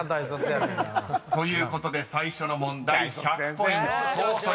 ［ということで最初の問題１００ポイントを取りました］